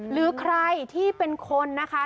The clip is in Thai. หรือใครที่เป็นคนนะคะ